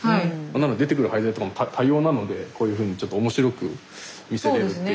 なんか出てくる廃材とかも多様なのでこういうふうにちょっと面白く見せれるっていうか。